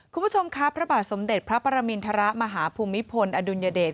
คุณผู้ชมครับพระบาทสมเด็จพระปรมินทรมาหาภูมิพลอดุลยเดช